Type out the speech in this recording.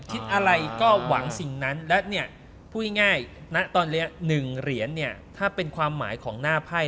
คิดอะไรก็หวังสิ่งนั้นและเนี่ยพูดง่ายณตอนนี้๑เหรียญเนี่ยถ้าเป็นความหมายของหน้าไพ่